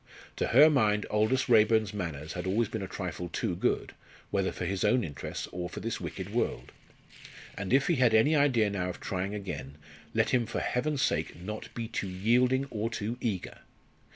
To her mind Aldous Raeburn's manners had always been a trifle too good, whether for his own interests or for this wicked world. And if he had any idea now of trying again, let him, for Heaven's sake, not be too yielding or too eager!